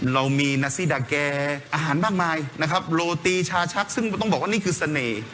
เรามีนาซี่ดาแก่อาหารมากมายนะครับโรตีชาชักซึ่งต้องบอกว่านี่คือเสน่ห์